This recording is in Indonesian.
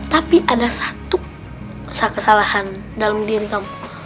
tapi ada satu kesalahan dalam diri kamu